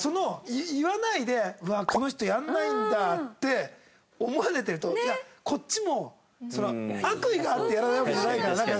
言わないでうわっこの人やらないんだって思われてるといやこっちも悪意があってやらないわけじゃないからなんか。